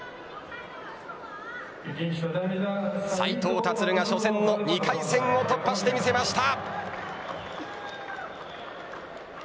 斉藤立が初戦の２回戦を突破してみせました。